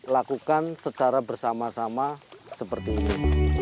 lakukan secara bersama sama seperti ini